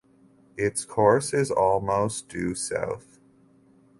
Its course is almost due south.